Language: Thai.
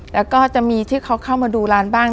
แล้วก็จะมีที่เขาเข้ามาดูร้านบ้าง